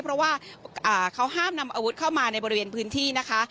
เพราะว่าเขาห้ามนำอาวุธเข้ามาในบริเวณพื้นที่นะคะ